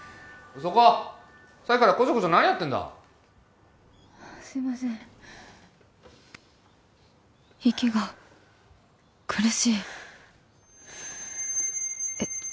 そこさっきからこしょこしょ何やってんだすいません息が苦しいえっ